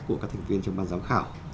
của các thành viên trong ban giám khảo